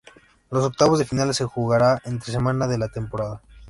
Los octavos de final se jugará entre semana de la temporada.